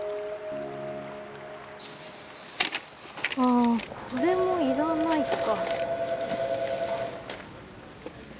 あこれもいらないか。